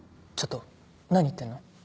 ちょっと何言ってんの？